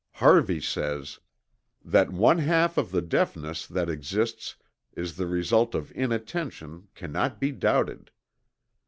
Harvey says: "That one half of the deafness that exists is the result of inattention cannot be doubted."